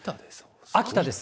秋田です。